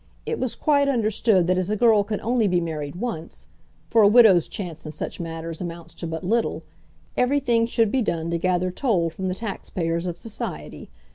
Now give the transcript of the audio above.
It was quite understood that as a girl can only be married once, for a widow's chance in such matters amounts to but little, everything should be done to gather toll from the tax payers of society.